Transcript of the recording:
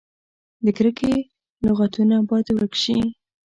د کرکې لغتونه باید ورک شي.